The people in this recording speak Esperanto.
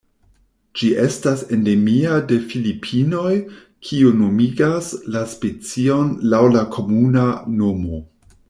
Ĝi estas endemia de Filipinoj, kio nomigas la specion laŭ la komuna nomo.